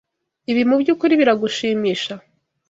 Ibi mubyukuri biragushimisha?